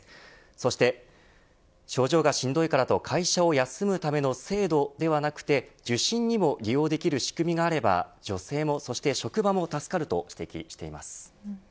そして症状がしんどいからといって会社を休むための制度ではなくて受診にも利用できる仕組みがあれば女性もそして職場も助かると指摘しています。